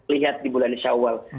lihat di bulan shawwal